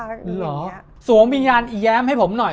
เหรอสวมวิญญาณอีแย้มให้ผมหน่อย